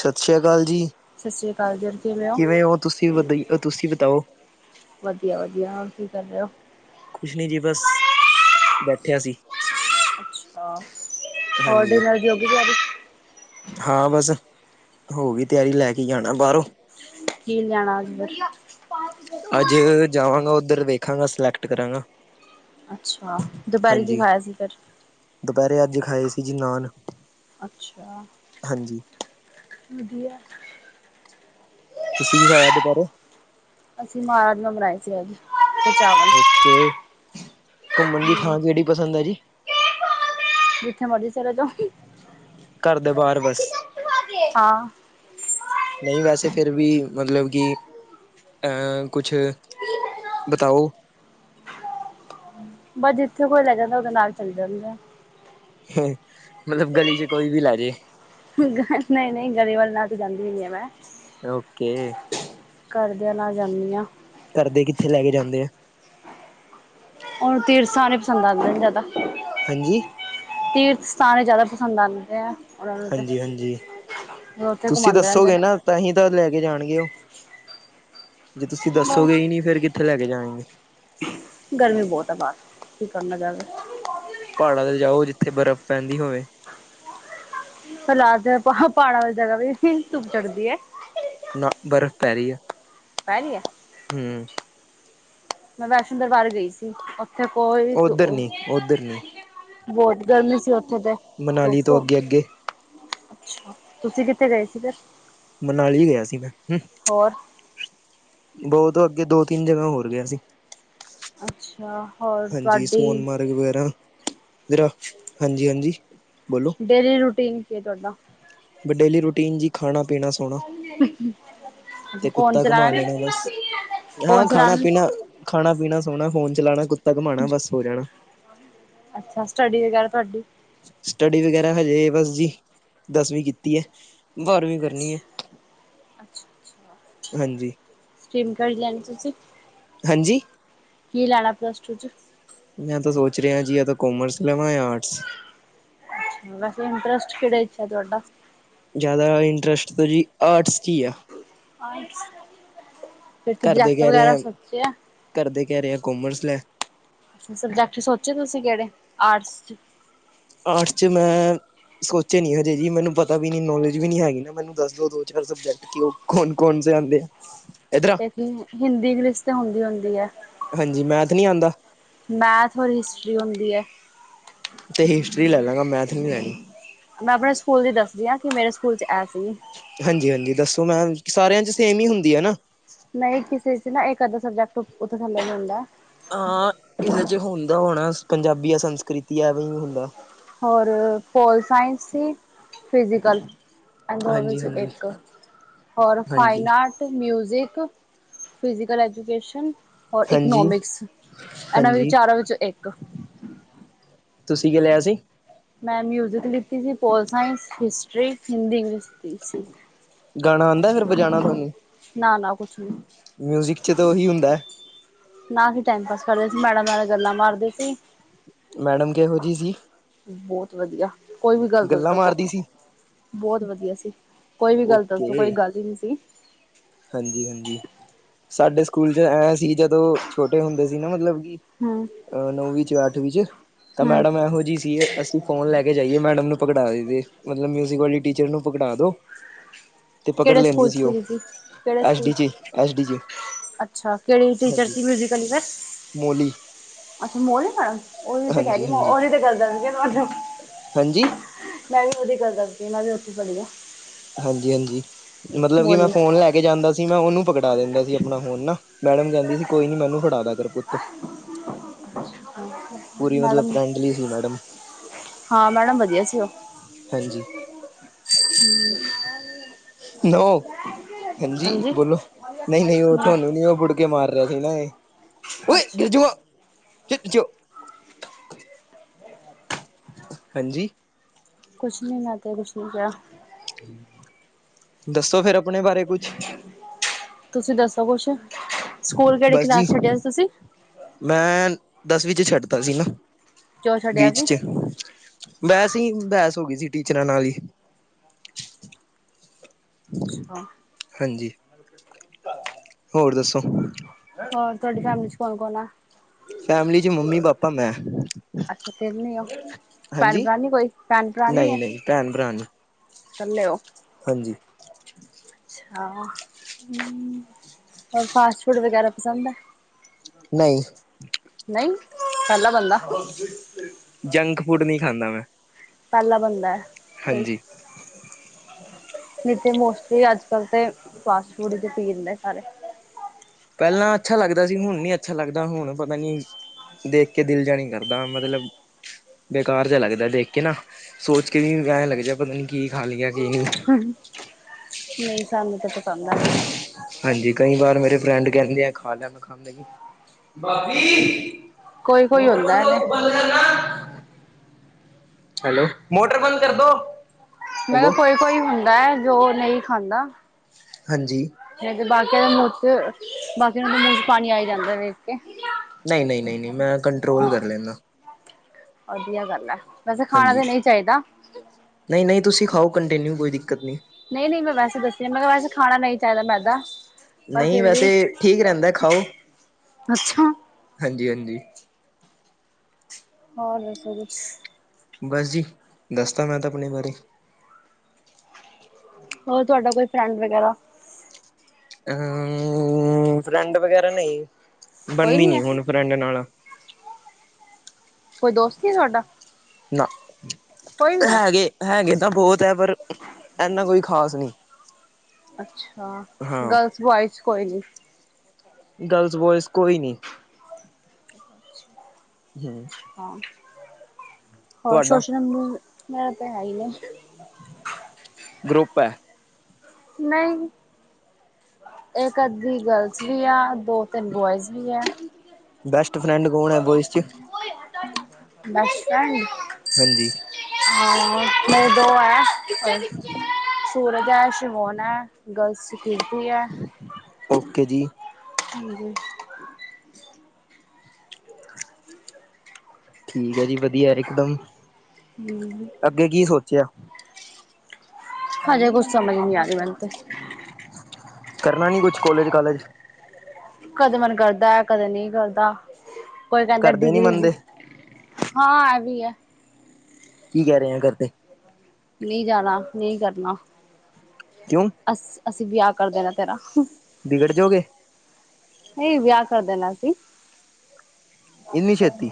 ਸਤਿ ਸ਼੍ਰੀ ਅਕਾਲ ਜੀ। ਸਤਿ ਸ਼੍ਰੀ ਅਕਾਲ ਜੀ ਹੋਰ ਕਿਵੇਂ ਓ। ਕਿਵੇਂ ਹੋ ਤੁਸੀ - ਤੁਸੀਂ ਬਤਾਓ? ਵਧੀਆ- ਵਧੀਆ ਹੋਰ ਕੀ ਕਰ ਰਹੇ ਹੋ? ਕੁਛ ਨਹੀਂ ਜੀ ਬਸ, ਬੈਠਿਆ ਸੀ। ਹੋਰ ਹਾਂਜੀ ਡਿਨਰ [unintelligible] ਹਾਂ ਬਸ, ਹੋ ਗਈ ਤਿਆਰੀ ਲੈ ਕੇ ਈ ਜਾਣਾ ਬਾਹਰੋਂ। ਕੀ ਲਿਜਾਣਾ [unintelligible] ਅੱਜ, ਜਾਵਾਂਗਾ ਉੱਧਰ ਦੇਖਾਗਾ, ਸਿਲੈਕਟ ਕਰਾਂਗਾ। ਅੱਛਾ, ਦੁਪਹਿਰੇ ਕੀ ਹਾਂਜੀ ਖਾਇਆ ਸੀ ਫਿਰ। ਦੁਪਹਿਰੇ ਅੱਜ ਖਾਏ ਸੀ ਜੀ ਨਾਨ। ਅੱਛਾ, ਹਾਂਜੀ ਵਧੀਆ। ਤੁਸੀਂ ਕੀ ਖਾਇਆ ਦੁਪਿਹਰੇ? ਅਸੀਂ ਮਹਾਰਾਜ ਨੇ ਬਣਾਏ ਸੀ ਅੱਜ ਤੇ ਚਾਵਲ ਓਕੇ, ਘੁੰਮਣ ਦੀ ਥਾਂ ਹੂੰ, ਕਿਹੜੀ ਪਸੰਦ ਆ ਜੀ। ਜਿੱਥੇ ਮਰਜੀ ਚਲੇ ਜਾਓ। ਘਰ ਦੇ ਬਾਹਰ ਬਸ। ਹਾਂ। ਨਹੀਂ ਵੈਸੇ ਫਿਰ ਵੀ, ਮਤਲਬ ਕਿ, ਅਹ ਕੁਛ ਬਤਾਓ। ਬਸ ਜਿੱਥੇ ਕੋਈ ਲੈ ਜਾਂਦਾ ਉਹਦੇ ਨਾਲ ਚੱਲ ਜਾਂਦੇ ਆ ਮਤਲਬ ਗਲੀ ਚ ਕੋਈ ਵੀ ਲੈ ਜੇ। ਨਹੀਂ- ਨਹੀਂ ਗਲੀ ਵਾਲੇ ਨਾਲ ਤੇ ਜਾਂਦੀ ਨੀ ਆ ਮੈਂ। ਓਕੇ। ਘਰਦਿਆਂ ਨਾਲ ਜਾਂਦੀ ਹਾਂ। ਘਰ ਦੇ ਕਿੱਥੇ ਲੈ ਕੇ ਜਾਂਦੇ ਆ? ਉਹਨੂੰ ਤੀਰਥ ਸਥਾਨ ਹੀ ਪਸੰਦ ਆਦੇ ਨੇ ਜ਼ਿਆਦਾ। ਹਾਂਜੀ। ਤੀਰਥ ਸਥਾਨ ਹੀ ਜ਼ਿਆਦਾ ਪਸੰਦ ਆਉਂਦੇ ਆ। ਉਹਨਾਂ ਨੂੰ ਤਾਂ ਹਾਂਜੀ-ਹਾਂਜੀ ਉਹ ਉੱਥੇ ਤੁਸੀਂ ਘਮਾਉਂਦੇ ਰਹਿੰਦੇ ਦੱਸੋਗੇ ਨੇ। ਨਾ ਤਾਂਹੀ ਤਾਂ ਲੈ ਕੇ ਜਾਣਗੇ ਉਹ, ਜੇ ਤੁਸੀਂ ਬਸ ਦੱਸੋਗੇ ਨਹੀਂ ਫੇਰ ਕਿੱਥੇ ਲੈ ਕੇ ਜਾਣਗੇ? ਗਰਮੀ ਬਹੁਤ ਹੈ ਬਾਹਰ, ਕੀ ਕਰਨਾ ਜਾਕੇ। ਪਹਾੜਾਂ ਤੇ ਜਾਓ ਜਿੱਥੇ ਬਰਫ਼ ਪੈਂਦੀ ਹੋਵੇ। ਹਾਲਾਤ ਆ ਪਹਾੜਾ ਵਾਲੀ ਜਗ੍ਹਾ ਤੇ ਵੀ ਧੁੱਪ ਚੜਦੀ ਹੈ। ਨਾ ਬਰਫ਼ ਪੈ ਰਹੀ ਆ। ਪੈ ਰਹੀ ਆ। ਹਮ। ਮੈਂ ਵੈਸ਼ਨੋ ਦਰਬਾਰ ਗਈ ਸੀ ਉੱਥੇ ਕੋਈ ਉੱਧਰ ਨੀ ਉੱਧਰ ਨੀ ਬਹੁਤ ਗਰਮੀ ਸੀ ਉੱਥੇ ਤੇ ਤਾਂ ਮਨਾਲੀ ਤੋਂ ਧੁੱਪ ਅੱਗੇ-ਅੱਗੇ ਅੱਛਾ, ਤੁਸੀਂ ਕਿੱਥੇ ਗਏ ਸੀ ਫਿਰ? ਮਨਾਲੀ ਗਿਆ ਸੀ, ਮੈਂ ਹੂੰ ਹੋਰ ਬਹੁਤ ਅੱਗੇ ਦੋ-ਤਿੰਨ ਜਗ੍ਹਾ ਹੋਰ ਗਿਆ ਸੀ। ਅੱਛਾ! ਹੋਰ ਹਾਂਜੀ, ਤੁਹਾਡੀ ਸੋਨਮਾਰਗ ਵਗੈਰਾ, ਇਧਰ ਆ ਹਾਂਜੀ-ਹਾਂਜੀ ਬੋਲੋ। ਡੇਲੀ ਰੂਟੀਨ ਕੀ ਏ ਤੁਹਾਡਾ? ਬ ਡੇਲੀ ਰੂਟੀਨ ਜੀ ਖਾਣਾ-ਪੀਣਾ, ਸੋ ਸੋਣਾ ਅੱਛਾ ਤੇ ਫੋਨ ਕੁੱਤਾ ਘਮਾ ਲੈਣਾ ਚਲਾਣਾ ਬਸ ਹਾਂ ਫੋਨ ਚਲਾਣਾ ਖਾਣਾ-ਪੀਣਾ ਖਾਣਾ- ਪੀਣਾ, ਸੋਹਣਾ, ਫੋਨ ਚਲਾਣਾ, ਕੁੱਤਾ ਘੁੰਮਾਣਾ ਬਸ ਸੋ ਜਾਣਾ ਅੱਛਾ, ਸਟੱਡੀ ਵਗੈਰਾ ਤੁਹਾਡੀ? ਸਟੱਡੀ ਵਗੈਰਾ ਹਜੇ ਬਸ ਜੀ, ਦਸਵੀਂ ਕੀਤੀ ਐ। ਬਾਰਵੀਂ ਕਰਨੀ ਐ, ਹਾਂਜੀ। ਸਿਮ ਕਿਹੜੀ ਲੈਣੀ ਤੁਸੀਂ? ਹਾਂਜੀ। ਕੀ ਲੈਣਾਂ ਪਲੱਸ-ਟੂ 'ਚ'? ਮੈਂ ਤਾਂ ਸੋਚ ਰਿਹਾ ਜੀ ਜਾਂ ਤਾਂ ਕੋਮਰਸ ਲੈਵਾਂ ਜਾਂ ਆਰਟਸ। ਵੈਸੇ ਇੰਟਰਸਟ ਕਿਹੜੇ 'ਚ' ਆ ਤੁਹਾਡਾ? ਜ਼ਿਆਦਾ ਇੰਟਰਸਟ ਤਾਂ ਜੀ ਆਰਟਸ 'ਚ' ਈ ਆ। ਆਰਟਸ ਫਿਰ ਘਰਦੇ ਸਬਜੈਕਟ ਕਹਿ ਰਏ ਵਗੈਰਾ ਆ, ਸੋਚਿਆ ਘਰਦੇ ਕਹਿ ਰਏ ਆ ਕੋਮਰਸ ਲੈ। ਫਿਰ ਸਬਜੈਕਟ ਸੋਚੇ ਤੁਸੀਂ ਕਿਹੜੇ ਆਰਟਸ 'ਚ'? ਆਰਟਸ 'ਚ' ਮੈਂ ਸੋਚੇ ਨੀ ਹਜੇ ਜੀ, ਮੈਨੂੰ ਪਤਾ ਵੀ ਨੌਲੇਜ ਵੀ ਨੀ ਹੈਗੀ ਨਾ ਮੈਨੂੰ ਦੱਸ ਦੋ, ਦੋ-ਚਾਰ ਸਬਜੈਕਟ ਕਿ ਉਹ ਕੌਣ- ਕੌਣ ਸੇ ਆਂਦੇ ਆ। ਇਧਰ ਇੱਕ ਹਿੰਦੀ, ਇੰਗਲਿਸ਼ ਤੇ ਹੁੰਦੀ- ਹੁੰਦੀ ਐ। ਹਾਂਜੀ, ਮੈਥ ਨੀ ਆਦਾ ਮੈਥ ਔਰ ਹਿਸਟਰੀ ਹੁੰਦੀ ਐ। ਤੇ ਹਿਸਟਰੀ ਲੈ ਲਾ। ਮੈਂ ਆਪਣੇ ਸਕੂਲ ਦੀ ਦੱਸਦੀ ਆ ਕਿ ਮੇਰੇ ਸਕੂਲ 'ਚ' ਐ ਸੀ। ਹਾਂਜੀ-ਹਾਂਜੀ ਦੱਸੋ ਮੈਂਮ ਸਾਰਿਆਂ 'ਚ' ਸੇਮ ਹੀ ਹੁੰਦੀ ਐ ਨਾ। ਨਹੀਂ ਕਿਸੇ 'ਚ' ਨਾ ਇੱਕ ਅੱਧਾ ਸਬਜੈਕਟ ਉੱਤੇ- ਥੱਲੇ ਵੀ ਹੁੰਦਾ ਹਾਂ, ਕਿਸੇ 'ਚ' ਹੁੰਦਾ ਹੋਣਾ ਪੰਜਾਬੀ ਆ ਸੰਸਕ੍ਰਿਤੀ ਐਵੇਂ ਹੁੰਦਾ। ਹੋਰ, ਪੋਲ-ਸਾਇੰਸ ਸੀ, ਫਿਜ਼ੀਕਲ ਇਹਨਾਂ ਦੋਵਾਂ ਹਾਂਜੀ ਵਿੱਚੋਂ ਹਾਂਜੀ ਇੱਕ ਹੋਰ ਹਾਂਜੀ ਫਾਈਨਾਟ ਮਿਊਜ਼ਿਕ, ਫਿਜੀਕਲ ਐਜੂਕੇਸ਼ਨ ਔਰ ਹਾਂਜੀ ਇਕਨੋਮਿਕਸ, ਇਹਨਾਂ ਹਾਂਜੀ ਵਿੱਚ ਚਾਰਾਂ ਵਿੱਚੋਂ ਇੱਕ ਤੁਸੀਂ ਕਿ ਲਿਆ ਸੀ? ਮੈਂ ਮਿਊਜਿਕ ਲਿਤੀ ਸੀ pol science, history, Hindi, English ਦੀ ਸੀ। ਗਾਣਾ ਆਦਾਂ ਫਿਰ ਬਜਾਣਾ ਥੋਨੂੰ? ਨਾ-ਨਾ ਕੁਛ ਨੀ। ਮਿਊਜਿਕ 'ਚ' ਤਾਂ ਉਹੀ ਹੁੰਦਾ ਹੈ। ਨਾ ਅਸੀਂ ਟਾਈਮ ਪਾਸ ਕਰਦੇ ਸੀ ਮੈਡਮ ਨਾਲ ਗੱਲਾਂ ਮਾਰਦੇ ਸੀ। ਮੈਡਮ ਕਿਹੋ ਜਿਹੀ ਸੀ? ਬਹੁਤ ਵਧੀਆ। ਕੋਈ ਵੀ ਗੱਲ ਦੱਸ ਗੱਲਾਂ ਦੋ ਮਾਰਦੀ ਸੀ। ਬਹੁਤ ਵਧੀਆ ਸੀ। ਕੋਈ ਵੀ ਗਲਤ ਦੱਸ ਦੋ ਕੋਈ ਗੱਲ ਹੀ ਈ ਨੀ ਸੀ। ਹਾਂਜੀ-ਹਾਂਜੀ। ਸਾਡੇ ਸਕੂਲ ਚ ਐ ਸੀ ਜਦੋਂ ਛੋਟੇ ਹੁੰਦੇ ਸੀ ਨਾ ਮਤਲਬ ਕਿ ਹਮ। ਅ ਨੌਵੀ ਚ ਅੱਠਵੀ ਚ ਤਾਂ ਮੈਡਮ ਇਹੋ ਜਿਹੀ ਸੀ ਅਸੀ ਫੋਨ ਲੈ ਕੇ ਜਾਈਏ। ਮੈਡਮ ਨੂੰ ਪਗੜਾ ਦੇ ਮਤਲਬ ਮਿਊਜ਼ਿਕ ਵਾਲੀ ਟੀਚਰ ਨੂੰ ਪਗੜਾ ਦੋ। ਤੇ ਪਕੜ ਕਿਹੜੇ ਲੈਂਦੀ ਸਕੂਲ ਸੀ ਉਹ। ਤੁਸੀਂ ਕਿਹੜੇ S school D G S D G ਅੱਛਾ ਕਿਹੜੀ ਟੀਚਰ ਹਾਂਜੀ ਸੀ ਮਿਊਜ਼ੀਕਲੀ ਫਿਰ ਮੋਲੀ। ਅੱਛਾ, ਮੋਲੀ ਮੈਮ ਉਹ ਵੀ ਤੇ ਕਹਿ ਹਾਂਜੀ ਰਹੀ ਹਾਂਜੀ ਉਹੀ ਤੇ ਗੱਲ ਕਰਨ ਤੁ ਹਾਂਜੀ। ਮੈਂ ਵੀ ਉਹਦੀ ਗੱਲ ਕਰਦੀ। ਮੈਂ ਵੀ ਉੱਥੇ ਪੜ੍ਹੀ ਆ। ਹਾਂਜੀ- ਹਾਂਜੀ, ਮਤਲਬ ਕਿ ਮੈਂ ਮੋਹਾਲੀ ਫੋਨ ਲੈ ਕੇ ਜਾਂਦਾ ਸੀ ਮੈਂ ਉਹਨੂੰ ਪਕੜ ਫੜਾ ਦਿੰਦਾ ਸੀ ਆਪਣਾ ਫੋਨ ਨਾ, ਮੈਡਮ ਕਹਿੰਦੀ ਸੀ। ਕੋਈ ਨੀ ਮੈਨੂੰ ਫੜਾਦਾ ਕਰ ਪੁੱਤ। ਪੂਰੀ ਮਤਲਬ ਮੈਡਮ, ਫਰੈਂਡਲੀ ਸੀ ਮੈਡਮ ਹਾਂ ਮੈਡਮ ਵਧੀਆ ਸੀ ਉਹ। ਹਾਂਜੀ। ਹਮ। [inaudible] ਹਾਂਜੀ। ਬੋਲੋ ਨਹੀਂ-ਨਹੀਂ। ਉਹ ਤੁਹਾਨੂੰ ਨੀ ਉਹ ਬੁੜ ਕੇ ਮਾਰ ਰਿਹਾ ਸੀ ਨਾ ਇਹ। ਅੱਛਾ। ਚ ਜੋ ਹੈਜੀ। ਕੁਛ ਨੀ ਮੈਂ ਤਾਂ ਕੁੱਝ ਨਹੀਂ ਕਿਹਾ। ਦੱਸੋ ਫੇਰ ਆਪਣੇ ਬਾਰੇ। ਕੁਛ ਤੁਸੀਂ ਦੱਸੋ ਕੁਛ, ਸਕੂਲ ਕਿਹੜੀ ਬਸ ਜੀ ਕਲਾਸ ਛੱਡਿਆ ਸੀ ਤੁਸੀਂ? ਮੈਂ ਦਸਵੀਂ ਚ ਛੱਡਦਾ ਸੀ ਨਾ, ਜੋ ਛੱਡਿਆ ਬੀਚ ਸੀ ਚ। ਵੈਸੇ ਹੀ ਬਹਿਸ ਹੋ ਗਈ ਸੀ ਟੀਚਰਾਂ ਨਾਲ ਹੀ। ਅੱਛਾ। ਹਾਂਜੀ, ਹੋਰ ਦੱਸੋ? ਹੋਰ ਤੁਹਾਡੇ ਘਰ ਚ ਕੌਣ-ਕੌਣ ਆ। ਫੈਮਲੀ 'ਚ ਮੰਮੀ-ਪਾਪਾ, ਮੈਂ। ਅੱਛਾ ਤਿੰਨ ਹੀ ਓ, ਭੈਣ ਹਾਂਜੀ ਭਰਾਣੀ ਨੀ ਕੋਈ ਭੈਣ ਭਰਾ ਨੀ ਨਹੀਂ ਐ। ਨਹੀਂ ਭੈਣ ਭਰਾ ਨੀ ਇਕੱਲੇ ਓ। ਹਾਂਜੀ। ਅੱਛਾ ਹਮ, ਹੋਰ ਫਾਸਟ ਫੂਡ ਵਗੈਰਾ ਪਸੰਦ ਏ। ਨਹੀਂ। ਨਹੀਂ, ਪਹਿਲਾ ਬੰਦਾ। ਜੰਕ ਫੂਡ ਨਹੀਂ ਖਾਂਦਾ ਮੈਂ। ਪਹਿਲਾ ਬੰਦਾ ਏ। ਹਾਂਜੀ ਨਹੀਂ ਤੇ ਮੋਸਟਲੀ ਅੱਜ-ਕੱਲ੍ਹ ਤੇ, ਫਾਸਟ ਫੂਡ ਹੀ ਤੇ ਪੀ ਦਿੰਦੇ ਸਾਰੇ। ਪਹਿਲਾਂ ਅੱਛਾ ਲੱਗਦਾ ਸੀ। ਹੁਣ ਨੀ ਅੱਛਾ ਲੱਗਦਾ ਹੁਣ ਪਤਾ ਨੀ ਦੇਖ ਕੇ ਦਿਲ ਜਾਣੀ ਨਹੀਂ ਕਰਦਾ ਮਤਲਬ ਬੇਕਾਰ ਜਿਹਾ ਲੱਗਦਾ ਦੇਖ ਕੇ ਨਾ, ਸੋਚ ਕੇ ਵੀ ਐ ਲੱਗ ਜਾ ਪਤਾ ਨੀ ਕੀ ਖਾ ਲਿਆ ਕੀ ਨਹੀਂ। ਨਹੀਂ, ਸਾਨੂੰ ਤਾਂ ਪਸੰਦ ਆਵੇ। ਹਾਂਜੀ ਕਈ ਵਾਰ ਮੇਰੇ ਫਰੈਂਡ ਕਹਿੰਦੇ ਆ ਖਾ ਲੈ ਮੈਂ ਖਾਂਦਾ ਹੀ ਨਹੀਂ। ਮ ਕੋਈ ਕੋਈ ਹੁੰਦਾ ਹੈ ਨੇ [unintelligible] ਹੈਲੋ, ਮੋਟਰ ਬੰਦ ਕਰਦੋ। ਮੈਂ ਕਿਹਾ ਕੋਈ- ਕੋਈ ਹੁੰਦਾ, ਜੋ ਨਹੀਂ ਖਾਂਦਾ। ਹਾਂਜੀ। ਬਾਕੀਆਂ ਦੇ ਮੂੰਹ ਚ, ਬਾਕੀਆਂ ਦੇ ਮੂੰਹ ਚ ਪਾਣੀ ਆਈ ਜਾਂਦਾ ਵੇਖ ਕੇ। ਨਹੀਂ- ਨਹੀਂ- ਨਹੀਂ- ਨਹੀਂ, ਮੈਂ ਕੰਟਰੋਲ ਕਰ ਲੈਂਦਾ। ਵਧੀਆ ਗੱਲ ਹੈ, ਵੈਸੇ ਖਾਣਾ ਤਾਂ ਹਾਂਜੀ ਨਹੀਂ ਚਾਹੀਦਾ। ਨਹੀਂ- ਨਹੀਂ ਤੁਸੀਂ ਖਾਓ ਕੰਟੀਨਿਊ ਕੋਈ ਦਿੱਕਤ ਨਹੀਂ। ਨਹੀਂ- ਨਹੀਂ ਮੈਂ ਵੈਸੇ ਦੱਸਦੀ ਮੈਂ ਕਿਹਾ ਵੈਸੇ ਖਾਣਾ ਨਹੀਂ ਚਾਹੀਦਾ ਮੈਂਦਾ। ਨਹੀਂ ਵੈਸੇ, ਠੀਕ ਰਹਿੰਦਾ ਖਾਓ, ਅੱਛਾ ਹਾਂਜੀ- ਹਾਂਜੀ ਹੋਰ ਦੱਸੋ ਜੀ? ਬਸ ਜੀ, ਦੱਸਤਾ ਮੈਂ ਤਾਂ ਆਪਣੇ ਬਾਰੇ। ਹੋਰ ਤੁਹਾਡਾ ਕੋਈ ਫਰੈਂਡ ਵਗੈਰਾ। ਅਮ ਫਰੈਂਡ ਵਗੈਰਾ ਨਹੀਂ, ਕੋਈ ਬਣਦੀ ਨੀ ਹੈ ਹੁਣ ਫਰੈਂਡ ਨਾਲ਼ ਕੋਈ ਦੋਸਤ ਨੀ ਆ ਤੁਹਾਡਾ? ਨਾ ਕੋਈ ਵੀ ਨੀ ਹੈਗੇ, ਹੈਗੇ ਤਾਂ ਬਹੁਤ ਆ ਪਰ ਏਨਾ ਕੋਈ ਖ਼ਾਸ ਨੀ। ਅੱਛਾ, ਹਾਂ ਗਰਲਜ਼ - ਬੋਆਇਜ਼ ਕੋਈ ਨੀ। ਗਰਲਜ਼ -ਬੋਆਇਜ਼ ਕੋਈ ਨੀ। ਹਾਂ ਹਾਂ, ਹੋਰ ਸੋਚਣਾ ਪਊ ਮੈਂ ਤਾਂ ਹੈ ਈ ਨੀ। ਗਰੁੱਪ ਐ। ਨਹੀਂ ਇੱਕ ਅੱਧੀ ਗਰਲਜ਼ ਵੀ ਆ ਦੋ ਦੋ -ਤਿੰਨ ਬੋਆਇਜ਼ ਵੀ ਆ। ਬੈਸਟ ਫਰੈਂਡ ਕੌਣ ਹੈ ਬੋਇਸ ਚ ਬੱਸ ਸਟੈਂਡ। ਹਾਂਜੀ। ਹਾਂ ਮੇਰੇ ਦੋ ਆ। ਸੂਰਜ ਆ, ਸ਼ਿਮੋਣਾ ਗਰਲਜ਼ ਕੀਰਤੀ ਆ। ਓਕੇ ਜੀ। ਹਾਂਜੀ। ਠੀਕ ਏ ਜੀ ਵਧੀਆ ਇਕ ਦਮ। ਹੂੰ -ਹੂੰ। ਅੱਗੇ ਕੀ ਸੋਚਿਆ? ਹਜੇ ਕੁੱਛ ਸਮਝ ਨੀ ਆ ਰਹੀ ਮੈਨੂੰ ਤੇ। ਕਰਨਾ ਨੀ ਕੁਛ ਕੌਲਜ- ਕਾਲਜ? ਕਦੇ ਮਨ ਕਰਦਾ, ਕਦੇ ਨਹੀਂ ਕਰਦਾ ਕੋਈ ਕਹਿੰਦਾ ਘਰਦੇ ਨੀ ਡਿਗਰੀ ਜ ਮੰਨਦੇ ਹਾਂ, ਐ ਵੀ ਆ। ਕੀ ਕਹਿ ਰਹੇ ਆ ਘਰ ਤੇ? ਨਹੀਂ ਜਾਣਾ, ਨਹੀਂ ਕਰਨਾ। ਕਿਉਂ? ਅਸ - ਅਸੀਂ ਵਿਆਹ ਕਰ ਦੇਣਾ ਤੇਰਾ। ਵਿਗੜ ਜੋ ਗੇ। ਨਹੀਂ, ਵਿਆਹ ਕਰ ਦੇਣਾ ਅਸੀਂ। ਇੰਨੀ ਛੇਤੀ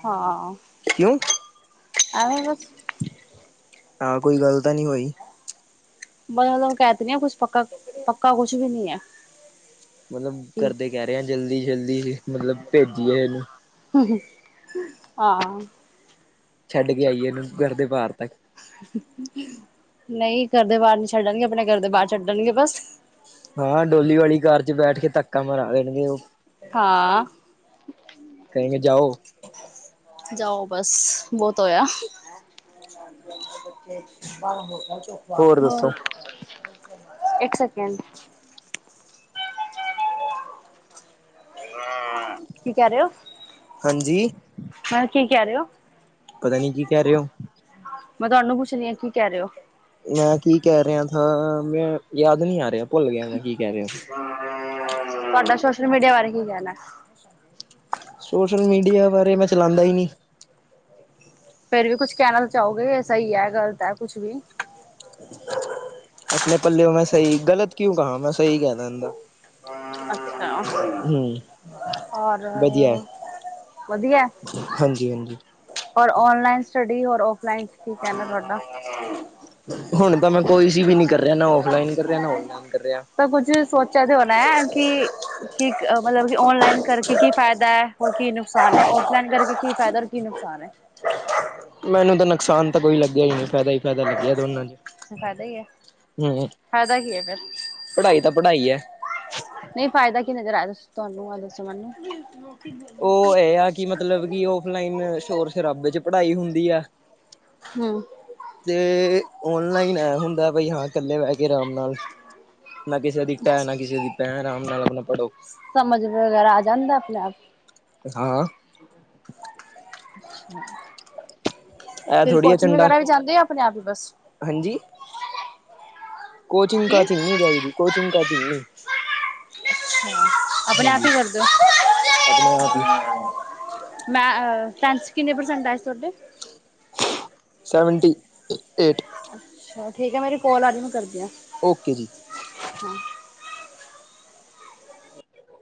[inaudible] ਹਾਂ ਕਿਉਂ? ਐਂਵੇ ਬਸ। ਆ, ਕੋਈ ਗੱਲ ਤਾਂ ਨੀ ਹੋਈ। ਮਤਲਬ ਕਹਿ ਦਨੇ ਆ ਕੁਛ ਪੱਕਾ, ਪੱਕਾ ਕੁਛ ਵੀ ਨੀ ਐ। ਮਤਲਬ ਘਰ ਦੇ ਕਹਿ ਰਹੇ ਐਂ, ਜਲਦੀ -ਜਲਦੀ ਮਤਲਬ ਭੇਜੀਏ। ਹੂੰ ਹਾਂ ਛੱਡ ਕੇ ਆਈਏ ਇਹਨੂੰ ਘਰ ਦੇ ਬਾਹਰ ਤੱਕ। ਨਹੀਂ, ਘਰ ਦੇ ਬਾਹਰ ਨੀ ਛੱਡਣਗੇ ਆਪਣੇ ਘਰ ਦੇ ਬਾਹਰ ਛੱਡਣਗੇ ਬਸ ਹਾਂ, ਡੋਲੀ ਵਾਲੀ ਕਾਰ 'ਚ ਬੈਠ ਕੇ ਧੱਕਾ ਮਰਾ ਦੇਣਗੇ ਉਹ ਹਾਂ ਕਹਿਣਗੇ ਜਾਓ ਜਾਓ ਬਸ, ਬਹੁਤ ਹੋਇਆ। [inaudible] ਹੋਰ, ਇੱਕ ਸੈਕਿੰਡ [unintelligible] ਕੀ ਕਹਿ ਰਹੇ? ਹਾਂਜੀ ਹਾਂ, ਕੀ ਕਹਿ ਰਹੇ ਹੋ? ਪਤਾ ਨੀ ਕੀ ਕਹਿ ਰਹੇ ਓ। ਮੈਂ ਤੁਹਾਨੂੰ ਪੁੱਛਨੀ ਆ ਕੀ ਕਹਿ ਰਹੇ ਓ। ਮੈਂ ਕੀ ਕਹਿ ਰਿਹਾ ਥਾ ਮੈਂ, ਯਾਦ ਨੀ ਆ ਰਿਹਾ ਭੁੱਲ ਗਿਆ ਮੈਂ ਕੀ ਕਹਿ ਰਿਹਾ ਸੀ। ਤੁਹਾਡਾ ਸੋਸ਼ਲ ਮੀਡੀਆ ਬਾਰੇ ਕੀ ਕਹਿਣਾ? ਸੋਸ਼ਲ ਮੀਡੀਆ ਬਾਰੇ ਮੈਂ ਚਲਾਂਦਾ ਈ ਨੀ। ਫੇਰ ਵੀ ਕੁਛ ਕਹਿਣਾ ਤਾਂ ਚਾਹੋਗੇ ਸਹੀ ਐ ਗ਼ਲਤ ਐ ਕੁਛ ਵੀ ਆਪਣੇ ਪੱਲਿਓ ਮੈਂ ਸਹੀ ਗਲਤ ਕਿਉਂ ਕਹਾ ਮੈਂ ਸਹੀ ਕਹਿਦਾ ਗਾ ਅੱਛਾ, ਔਰ ਵਧੀਆ ਹਾਂਜੀ-ਹਾਂਜੀ। ਔਰ ਔਨਲਾਈਨ ਸਟੱਡੀ ਔਰ ਔਫਲਾਈਨ ਕੀ ਕਹਿਣਾ ਤੁਹਾਡਾ? ਹੁਣ ਤਾਂ ਮੈਂ ਕੋਈ ਸੀ ਵੀ ਨੀ ਕਰ ਰਿਹਾ ਨਾ ਔਫਲਾਈਨ ਕਰ ਰਿਹਾ ਨਾ ਔਨਲਾਈਨ ਕਰ ਰਿਆ ਤਾਂ ਕੁੱਝ ਸੋਚਿਆ ਤੇ ਹੋਣਾ ਐ ਕਿ ਕੀ ਮਤਲਬ ਕਿ ਔਨਲਾਈਨ ਕਰਕੇ ਕੀ ਫਾਇਦਾ ਐ? ਔਰ ਕੀ ਨੁਕਸਾਨ ਔਫਲਾਈਨ ਕਰਕੇ ਕੀ ਫਾਇਦਾ ਔਰ ਕੀ ਨੁਕਸਾਨ ਐ? ਮੈਨੂੰ ਤਾਂ ਨੁਕਸਾਨ ਤਾਂ ਕੋਈ ਲੱਗਿਆ ਈ ਨਹੀਂ ਫਾਇਦਾ ਹੀ ਫਾਇਦਾ ਲੱਗਿਆ ਦੋਨਾ 'ਚ ਫਾਇਦਾ ਹੀ ਹੈ ਹਮ, ਫਾਇਦਾ ਕੀ ਹੈ ਫਿਰ ਪੜ੍ਹਾਈ ਤਾਂ ਪੜ੍ਹਾਈ ਐ। ਨਹੀਂ ਫਾਇਦਾ ਕਿਵੇਂ ਨਜ਼ਰ ਆਇਆ ਤੁਹਾਨੂੰ ਆ ਦੱਸੋ ਮੈਨੂੰ? ਉਹ ਇਹ ਆ ਕਿ ਮਤਲਬ ਕਿ ਓਫਲਾਈਨ ਸ਼ੋਰ -ਸ਼ਰਾਬੇ ਚ ਪੜ੍ਹਾਈ ਹੁੰਦੀ ਆ। ਹਮ। ਤੇ ਓਨਲਾਈਨ ਐ ਹੁੰਦਾ ਬਈ ਹਾਂ ਇਕੱਲੇ ਬਹਿ ਕੇ ਆਰਾਮ ਨਾਲ। ਨਾ ਕਿਸੇ ਦੀ ਟੈ ਨਾ ਕਿਸੇ ਦੀ ਪੈ ਆਰਾਮ ਨਾਲ ਆਪਣਾ ਪੜ੍ਹੋ। ਸਮਝ ਵਗੈਰਾ ਆ ਜਾਂਦਾ ਆਪਣੇ ਆਪ ਹਾਂ। [inaudible] ਇਹ ਫਿਰ ਥੋੜ੍ਹੀ ਆ ਕੋਚਿੰਗ ਝੰਡਾ ਵਗੈਰਾ ਵੀ ਜਾਂਦੇ ਓ ਜਾ ਆਪਣੇ ਈ ਬਸ ਹਾਂਜੀ। ਕੋਚਿੰਗ ਕੀ? -ਕਾਚਿੰਗ ਨਹੀਂ ਜਾਈਦੀ ਕੋਚਿੰਗ ਅੱਛਾ, -ਕਾਚਿੰਗ ਨਹੀਂ ਹਮ ਆਪਣੇ ਆਪ ਹਾਂਜੀ ਹੀ ਕਰਦੇ ਓ? ਆਪਣੇ ਆਪ ਹੀ ਮੈਂ ਟੈਂਨਥ ਚ ਕਿੰਨੇ ਪ੍ਰਸੈਂਟ ਆਏ ਸੀ ਤੁਹਾਡੇ? Seventy eight. ਅੱਛਾ, ਠੀਕ ਹੈ ਮੇਰੀ ਕੋਲ ਆ ਰਹੀ ਮੈਂ ਕਰਦੀ ਆ। ਓਕੇ ਜੀ। ਹਮ।